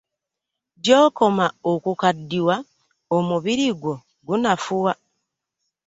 Gyokoma okukadiwa omubiri gwo gunafuwa.